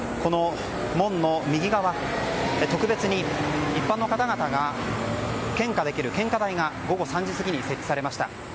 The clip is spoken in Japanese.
門の右側特別に一般の方々が献花できる献花台が午後３時過ぎに設置されました。